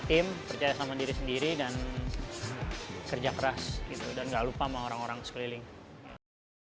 dia bisa menjadi indonesia yang pertama dan super star di mma